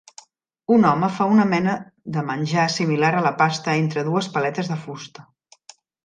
Un home fa una mena de menjar similar a la pasta entre dues paletes de fusta.